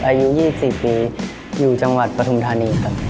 อายุ๒๔ปีอยู่จังหวัดปฐุมธานีครับ